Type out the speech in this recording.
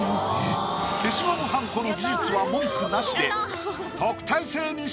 消しゴムはんこの技術は文句なしで。